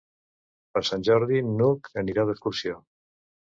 Per Sant Jordi n'Hug anirà d'excursió.